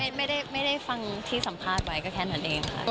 ไม่ได้ฟังที่สัมภาษณ์ไว้ก็แค่นั้นเองค่ะ